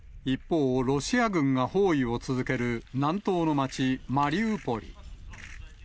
一方、ロシア軍が包囲を続ける、南東の街マリウポリ。